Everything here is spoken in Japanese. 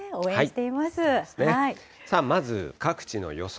まず各地の予想